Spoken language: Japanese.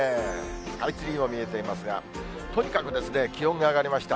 スカイツリーも見えていますが、とにかく気温が上がりました。